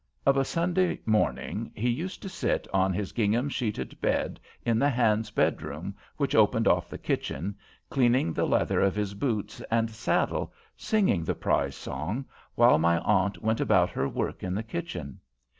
Of a Sunday morning he used to sit on his gingham sheeted bed in the hands' bedroom which opened off the kitchen, cleaning the leather of his boots and saddle, singing the "Prize Song," while my aunt went about her work in the kitchen.